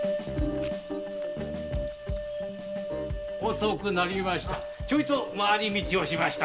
遅くなりました。